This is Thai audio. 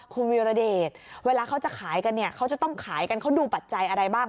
คุณวิรเดชเวลาเขาจะขายกันเนี่ยเขาจะต้องขายกันเขาดูปัจจัยอะไรบ้าง